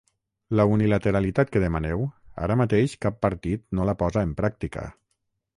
La unilateralitat que demaneu, ara mateix cap partit no la posa en pràctica.